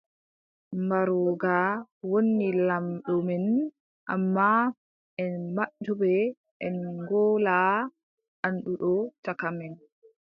Mbarooga woni laamɗo men, ammaa, en majjuɓe, en ngolaa annduɗo caka men.